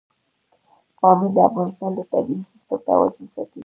پامیر د افغانستان د طبعي سیسټم توازن ساتي.